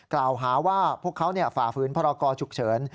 กล่าวหาว่าพวกเขาฝ่าฝืนพรกรฉุกเฉิน